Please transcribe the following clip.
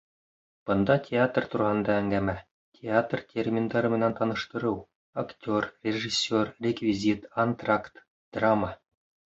Бында театр тураһында әңгәмә, театр терминдары менән таныштырыу, актер, режиссер, реквизит, антракт, драма.